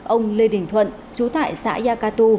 ông lê đình thuận chú tại xã gia cà tu